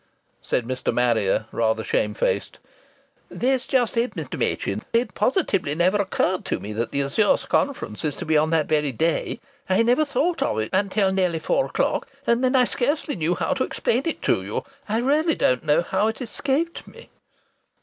Said Mr. Marrier, rather shamefaced: "That's just it, Mr. Machin. It positively never occurred to me that the Azure Conference is to be on that very day. I never thought of it until nearly four o'clock. And then I scarcely knew how to explain it to you. I really don't know how it escaped me."